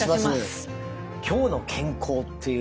「きょうの健康」っていう